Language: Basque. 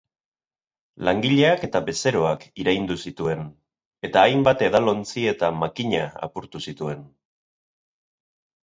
Langileak eta bezeroak iraindu zituen, eta hainbat edalontzi eta makina apurtu zituen.